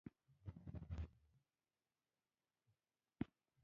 خوړل باید حلال وي